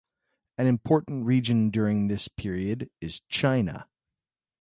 An important region during this period is China.